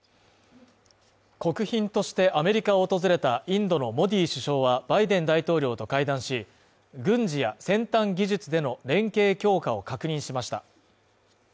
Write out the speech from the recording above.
国賓としてアメリカを訪れたインドのモディ首相は、バイデン大統領と会談し、軍事や先端技術での連携強化を確認しました。